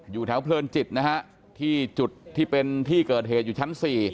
อยู่แถวเพลินจิตที่เป็นที่เกิดเหตุอยู่ชั้น๔